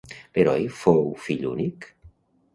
L'heroi fou fill únic?